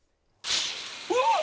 うわっ！